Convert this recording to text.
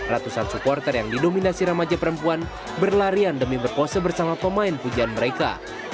ratusan supporter yang didominasi remaja perempuan berlarian demi berpose bersama pemain pujian mereka